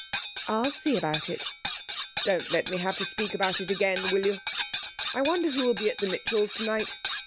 'I'll see about it.' 'Don't let me have to speak about it again, will you? I wonder who will be at the Mitchells' tonight?'